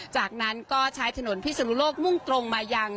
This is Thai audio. จากนั้นก็ใช้ถนนพิศนุโลกมุ่งตรงมายัง